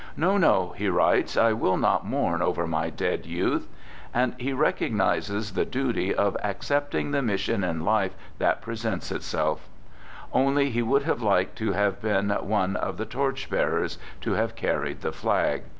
" No, no," he writes, " I will not mourn over my dead youth." And he recognizes the THE GOOD SOLDIER duty of " accepting the mission in life that presents itself." Only he would have liked to have been one of the torch bearers, to have carried the flag.